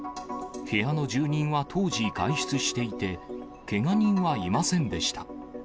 部屋の住人は、当時、外出していて、けが人はいませんでした。